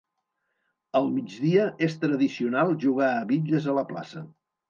Al migdia és tradicional jugar a bitlles a la plaça.